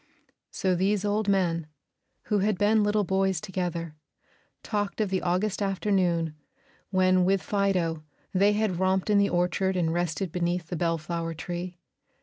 So these old men, who had been little boys together, talked of the August afternoon when with Fido they had romped in the orchard and rested beneath the bell flower tree.